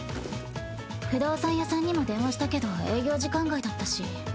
不動産屋さんにも電話したけど営業時間外だったし。